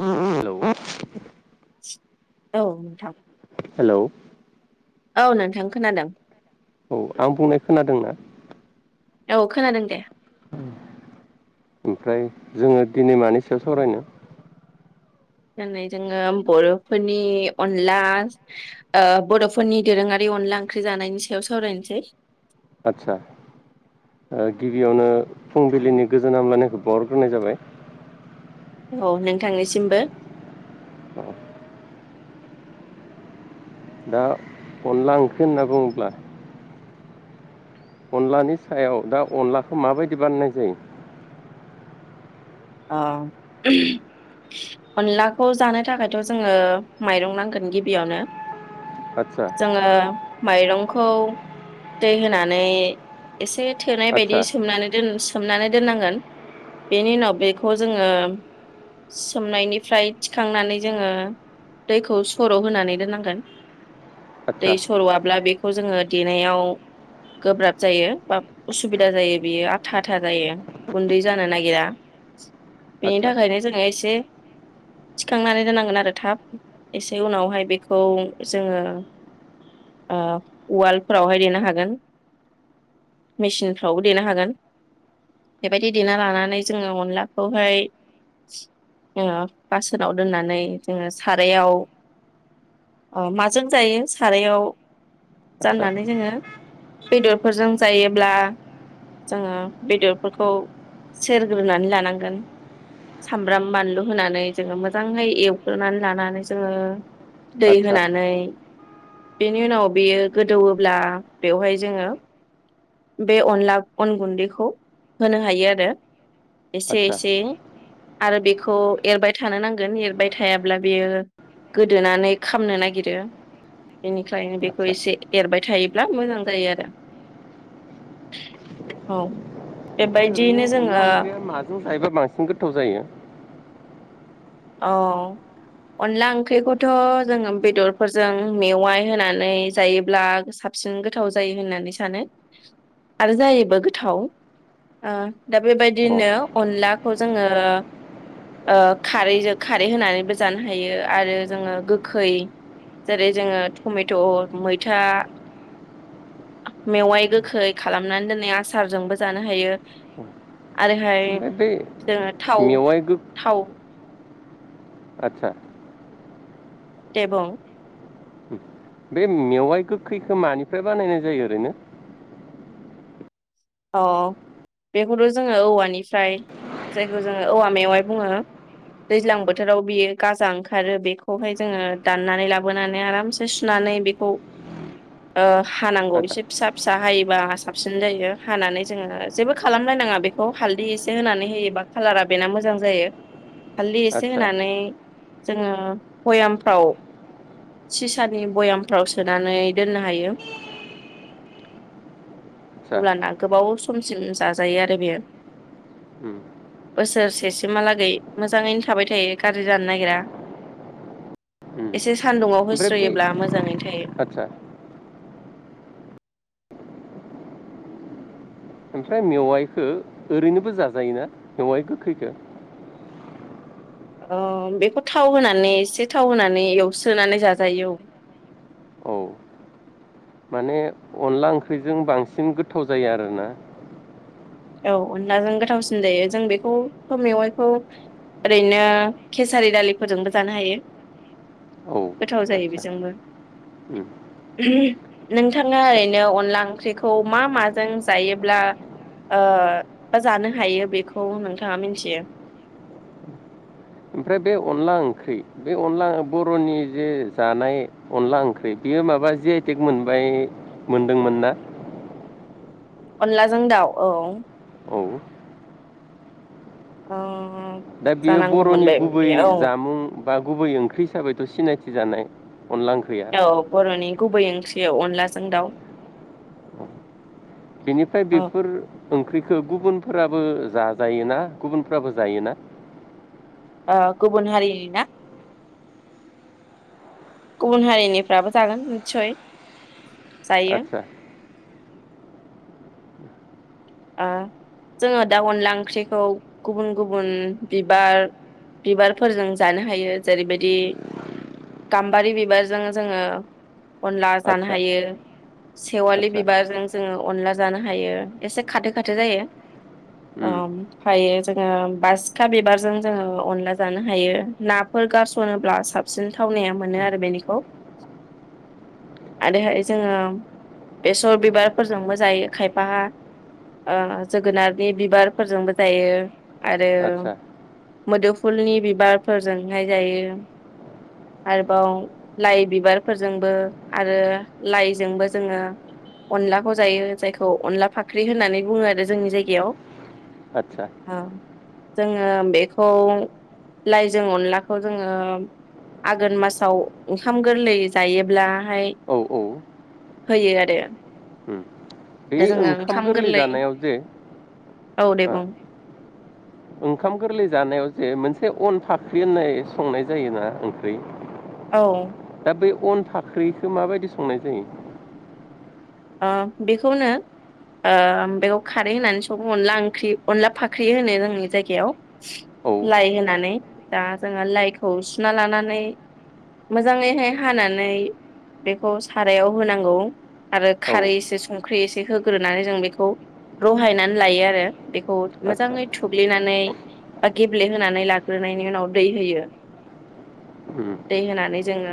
हेल'। औ नोंथां। हेलौ। औ नोंथां खोनादों। औ आं बुंनाय खोनादोंना? औ खोनादों दे। ओमफ्राय जोङो दिनै मानि सायाव सावरायनो? दोंनै जोङो बर'फोरनि अनला ओ बर'फोरनि दोरोङारि अनला ओंख्रि जानायनि सायाव सावरायनोसै । आदसा ओ गिबियावनो फुंबिलिनि गोजोन हामलायानायखौ बाउहरग्रोनाय जाबाय । औ नोंथांनिसिमबो । औ । दा अनला ओंख्रि होनना बुङोब्ला अनलानि सायाव दा अनलाखौ माबायदि बानायनाय जायो अ अनलाखौ जानो थाखायथ' जोङो माइरं नांगोन गिबियावनो आदसा । जोङो माइरं खौ दै होनानै एसे थोनाय बायदि आदसा सोमनानै दोनस सोमनानै दोननांगोन बेनि उनाव बे खौ जोङो सोमनायनिफ्राय थिखांनानै जोङो दैखौ सर' होनानै दोननांगोन । दै आदसा सर'आब्ला बेखौ जोङो देनायाव गोब्राब जायो बा उसुबिदा जायो बियो आथा आथा जायो गुन्दै जानो नागिरा । बेनि आदसा थाखायनो जोङो एसे थिखांनानै दोननांगोन आरो थाब एसे उनावहाय बेखौ जोङो ओ वालफ्रावहाय देनो हागोन मेचिनफ्रावबो देनो हागोन बेबायदि देना लानानै जोङो अन अनलाखौहाय [unintelligible] जोङो सारायाव माजों जायो सारायाव आदसा जाननानै जोङो बेदर फोरजों जायोब्ला जोङो बेदरफोरखौ सेरग्रोनानै लाना नांगोन सामब्राम बानलु होनानै जोङो मोजाङै एवग्रोनानै लानानै जोङो दै आदसा होनानै बेनि उनाव बेयो गोदौवोब्ला बेवहाय जोङो बे अनला अन गुन्दैखौ होनो हायो आरो एसे आदसा एसे आरो बेखौ एरबाय थानो नांगोन एरबाय थायाब्ला बेयो गोदोनानै खामनो नागिरो बेनिखायनो बेखौ आदसा एसे एरबाय थायोब्ला मोजां जायो आरो औ बेबाय दियैनो जोङो जों जायोबा बांसिन गोथाव जायो? अ अनला ओंख्रिखौथ' जोङो बेदरफोरजों मेवाइ होनानै जायोब्ला साबसिन गोथाव जायो होननानै सानो आरो जायोबो गोथाव ओ दा अ बेबायदिनो अनलाखौ जोङो ओ खा खारैजों खारै होनानैबो जानो हायो आरो जोङो गोखै जेरै जोङो टमेट' मैथा मेवाइ गोखै खालामनानै दोन्नाय आसारजोंबो जानो हायो आरो ओमफ्राय जोङो थाव मेवाइ गो थाव आदसा । दे बुं बे मेवाइ गोखैखौ मानिफ्राय बानायनाय जायो ओरैनो? अ बेखौथ' जोङो औवानिफ्राय जायखौ जोङो औवा मेवाय बुङो दैज्लां बोथोराव बेयो गाजा ओंखारो बेखौहाय जोङो दाननानै लाबोनानै आरामसे सुनानै बेखौ ओ हानांगौ आदा एसे फिसा फिसा हायोबा आंहा साबसिन जायो । हानानै जोङो जेबो खालामलायनाङा बेखौ हालदै एसे होनानै होयोबा कालारा बेना मोजां जायो । हालदै एसे आदसा होनानै जोङो बयामफ्राव सिसानि बयामफ्राव सोनानै दोननो हायो । आदसा अब्ला ना गोबाव समसिम जाजायो आरो बेयो उम बोसोरसेसिमहालागै मोजाङैनो थाबाय थायो गारजि जानो नागिरा उम एसे सान्दुङाव ओमफ्राय बे होस्रोयोब्ला मोजाङैनो थायो । आदसा ओमफ्राय मेवाइखौ ओरैनोबो जाजायोना मेवाइ गोखैखो? अ बेखौ थाव होनानै एसे थाव होनानै एवस्रोनानै जाजायो औ औ माने अनला ओंख्रिजों बांसिन गोथाव जायो आरोना औ अनलाजों गोथावसिन जायो जों बेखौथ मेवाइखौ ओरैनो केसारि दालिफोरजोंबो जानो हायो औ गोथाव जायो आदसा बेजोंबो उम ओम नोंथाङा दा ओरैनो अनला ओंख्रिखौ मा माजों जायोब्ला ओ बा जानो हायो बेखौ नोंथाङा मिथियो ओमफ्राय बे अनला ओंख्रि बे अनला बर'नि जे जानाय अनला ओंख्रि बेयो माबा जि आइ टेग मोनबाय मोनदोंमोन ना अनलाजों दाउ औ औ ओ दा बियो जानांगौ बर'नि मोनबाय गुबै बे औ जामुं बा गुबै ओंख्रि हिसाबैथ सिनायथि जानाय अनला ओंख्रिया औ बर'नि गुबै ओंख्रि बे अनलाजों दाउ बेनिफ्राय औ बेफोर ओंख्रिखौ गुबुनफोरा बो जाजायोना गुबुनफ्राबो जायोना ओ गुबुन हारिनि ना गुबुन हारिनिफ्राबो जागोन निस्सय जायो आदसा ओ जोङो दा अनला ओंख्रिखौ गुबुन गुबुन बिबार बिबारफोरजों जानो हायो जेरैबायदि गाम्बारि बिबारजों जोङो अनला जानो आदसा हायो सेवालि आदसा बिबारजों जोङो अनला जानो हायो एसे खाथो खाथो जायो उम ओमफायो जोङो बासिखा बिबारजों जोङो अनला जानो हायो नाफोर गारस'नोब्ला साबसिन थावनाया मोनो आरो बेनिखौ आरोहाय जोङो बेसर बिबारफोरजोंबो जायो खायफाहा ओ जोगोनारनि बिबारफोरजोंबो जायो आरो आदसा मोदोफुलनि बिबारफोरजोंहाय जायो आरोबाव लाइ बिबारफोरजोंबो आरो लाइजोंबो जोङो अनलाखौ जायो जायखौ अनला फाख्रि ख्रि होननानै बुङो आरो जोंनि जायगायाव आदसा ओ जोङो बेखौ लाइजों अनलाखौ जोङो आघोन मासाव ओंखाम गोरलै जायोब्लाहाय औ औ होयो आरो उम बे दा जोङो ओंखाम गोरलै जानायाव जे औ दे ओ बुं ओंखाम गोरलै जानायाव जे मोनसे अन फाख्रि होननाय संनाय जायोना ओंख्रि औ दा बै अन फाख्रिखौ माबायदि संनाय जायो ओ बेखौनो ओ बेखौ खारै होनानै सं अनला ओंख्रि अनला फाख्रि होनो जोंनि जायगायाव औ लाइ होनानै दा ओ जोङो लाइखौ सुना लानानै मोजाङैहाय हानानै बेखौ सारायाव होनांगौ आरो औ खारै एसे संख्रि एसे होग्रोनानै जों बेखौ रहायनानै लायो आरो बे खौ आदसा मोजाङै थुुग्लिनानै बा गेब्लेहोनानै लाग्रोनायनि उनाव दै होयो उम दै होनानै जोङो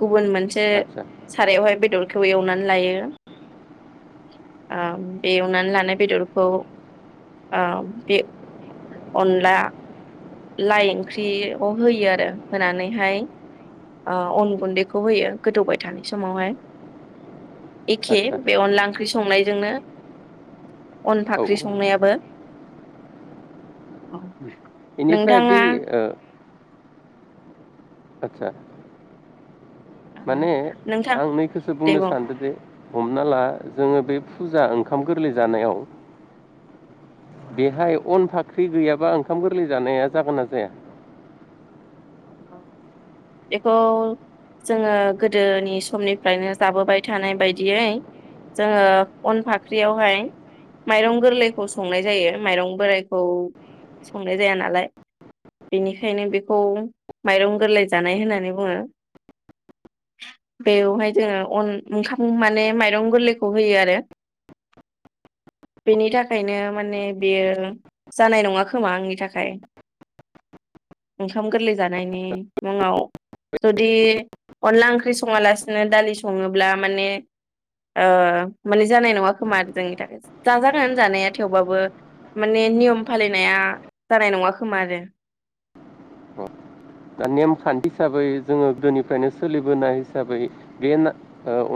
गुबुन मोनसे आदसा सारायावहाय बेदरखौ एवनानै लायो ओ बे एवनानै लानाय बेदरखौ ओ बे अनला लाइ ओंख्रियाव होयो आरो होनानैहाय ओ अन गुन्दैखौ होयो गोदौबाय थानाय समावहाय एखे आदसा बे अनला ओंख्रि सं संनायजोंनो अन औ फाख्रि संनायाबो बेनिफ्राय नोंथाङा बे ओ आतसा। माने नोंथां आं नैखौसो दे बुंनो बुं सानदों जे। हमना ला जोङो बे फुजा ओंखाम गोरलै जानायाव बेहाय अन फाख्रि गैयाबा ओंखाम गोरलै जानाया जागोना जाया? बेखौ जोङो गोदोनि समनिफ्रायनो जाबोबाय थानाय बायदियै। जोङो अन फाख्रियावहाय माइरं गोरलैखौ संनाय जायो माइरं बोरायखौ संनाय जाया नालाय बेनिखायनो बेखौ माइरं गोरलै जानाय होननानै बुङो बेवहाय जोङो, अन ओंखाम माने माइरं गोरलैखौ होयो आरो बेनि थाखायनो, माने बेयो जानाय नङा खोमा आंनि थाखाय। ओंखाम गोरलै जानायनि मुङाव जुदि अनला ओंख्रि सङालासिनो दालि सङोब्ला माने। ओ माने जानाय नङा खोमा आरो जोंनि थाखाय जाजागोन जानाया थेवबाबो माने नियम फालिनाया जानाय नङा खोमा आरो। दा नेमखान्थि हिसाबै जोङो गोदोनिफ्रायनो सोलिबोनाय हिसाबै बे ना ओ अ